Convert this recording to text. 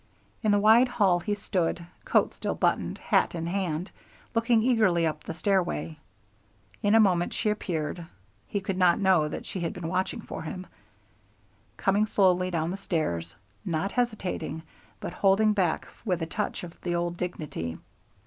In the wide hall he stood, coat still buttoned, hat in hand, looking eagerly up the stairway. In a moment she appeared (he could not know that she had been watching for him), coming slowly down the stairs, not hesitating, but holding back with a touch of the old dignity.